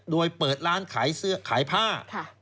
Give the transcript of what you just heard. โดยเปิดร้านขายเสื้อขายผ้า